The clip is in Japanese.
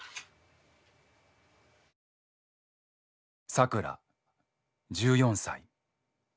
さくら１４歳。